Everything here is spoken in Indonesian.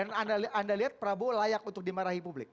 dan anda lihat prabowo layak untuk dimarahi publik